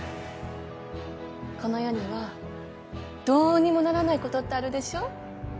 この世にはどうにもならないことってあるでしょう？